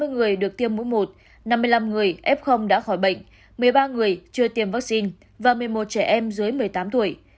hai mươi người được tiêm mũi một năm mươi năm người f đã khỏi bệnh một mươi ba người chưa tiêm vaccine và một mươi một trẻ em dưới một mươi tám tuổi